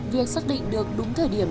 việc xác định được đúng thời điểm